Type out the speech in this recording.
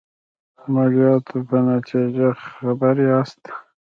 عملیاتو په نتیجه خبر یاست.